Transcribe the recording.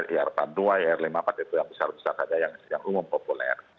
ir dua ir lima puluh empat itu yang besar besar saja yang umum populer